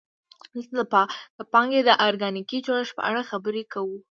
دلته د پانګې د ارګانیکي جوړښت په اړه خبرې کوو